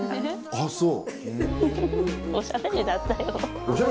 あっそう。